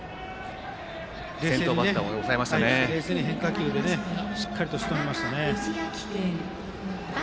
冷静に変化球でしっかりしとめましたね。